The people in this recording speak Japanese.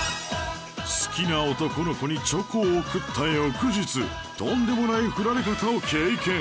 好きな男の子にチョコを贈った翌日とんでもないフラれ方を経験